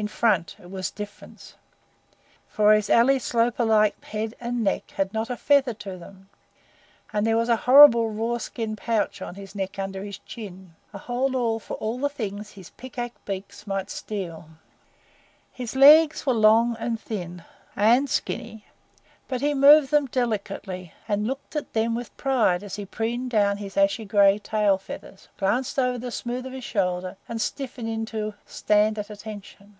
In front it was different, for his Ally Sloper like head and neck had not a feather to them, and there was a horrible raw skin pouch on his neck under his chin a hold all for the things his pick axe beak might steal. His legs were long and thin and skinny, but he moved them delicately, and looked at them with pride as he preened down his ashy gray tail feathers, glanced over the smooth of his shoulder, and stiffened into "Stand at attention."